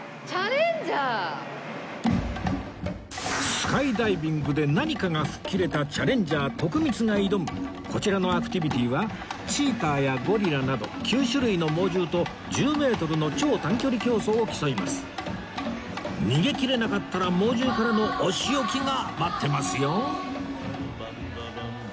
スカイダイビングで何かが吹っ切れたチャレンジャー徳光が挑むこちらのアクティビティはチーターやゴリラなど９種類の猛獣と１０メートルの長短距離競走を競いますが待ってますよ